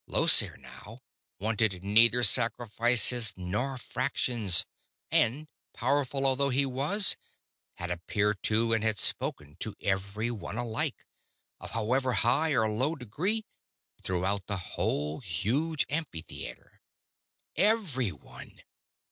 Llosir, now, wanted neither sacrifices nor fractions; and, powerful although he was, had appeared to and had spoken to everyone alike, of however high or low degree, throughout the whole huge amphitheater. _Everyone!